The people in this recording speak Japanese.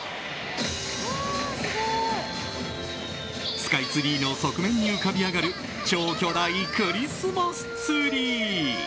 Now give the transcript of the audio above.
スカイツリーの側面に浮かび上がる超巨大クリスマスツリー。